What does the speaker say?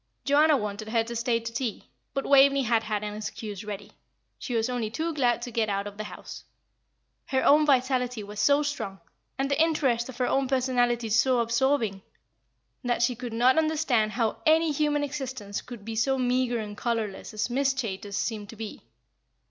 Joanna wanted her to stay to tea; but Waveney had had an excuse ready she was only too glad to get out of the house. Her own vitality was so strong, and the interest of her own personality so absorbing, that she could not understand how any human existence could be so meagre and colourless as Miss Chaytor's seemed to be.